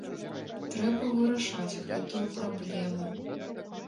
Трэба вырашаць гэтую праблему.